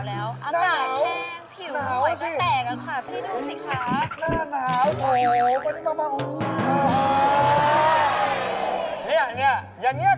อย่างนี้เขาเล่นตามดิสัยอีกแล้ว